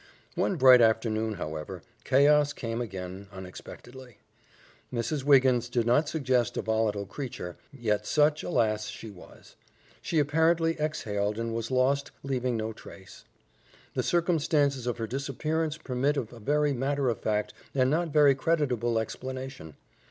One bright afternoon, however, chaos came again unexpectedly. Mrs. Wiggins did not suggest a volatile creature, yet such, alas! she was. She apparently exhaled and was lost, leaving no trace. The circumstances of her disappearance permit of a very matter of fact and not very creditable explanation.